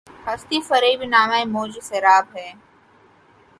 ہستی‘ فریب نامۂ موجِ سراب ہے